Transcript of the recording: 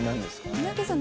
「三宅さん